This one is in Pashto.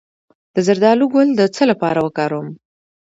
د زردالو ګل د څه لپاره وکاروم؟